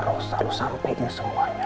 kamu bisa berbincang dengan semuanya